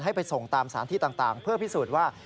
ไปส่งตามสารที่ต่างเพื่อพิสูจน์ว่า